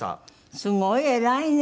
すごい！偉いね！